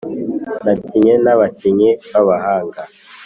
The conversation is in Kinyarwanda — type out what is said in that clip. nakinnye na bakinyi babahanga